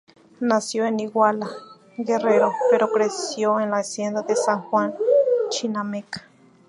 Nació en Iguala, Guerrero, pero creció en la Hacienda de San Juan Chinameca.